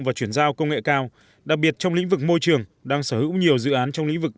và chuyển giao công nghệ cao đặc biệt trong lĩnh vực môi trường đang sở hữu nhiều dự án trong lĩnh vực